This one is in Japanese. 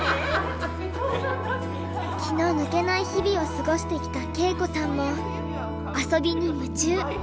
気の抜けない日々を過ごしてきた恵子さんも遊びに夢中。